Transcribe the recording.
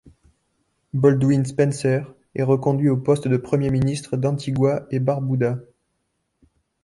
Baldwin Spencer est reconduit au poste de Premier ministre d'Antigua-et-Barbuda.